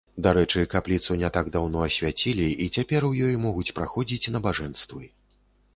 Дарэчы, капліцу не так даўно асвяцілі, і цяпер у ёй могуць праходзіць набажэнствы.